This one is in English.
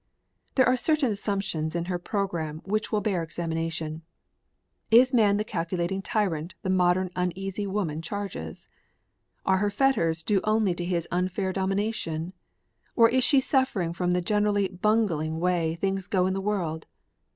There are certain assumptions in her program which will bear examination. Is man the calculating tyrant the modern uneasy woman charges? Are her fetters due only to his unfair domination? Or is she suffering from the generally bungling way things go in the world?